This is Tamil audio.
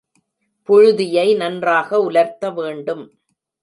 புழுதியை நன்றாக உலர்த்த வேண்டும்.